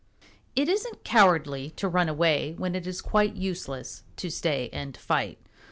_ It isn't cowardly to run away when it is quite useless to stay and fight.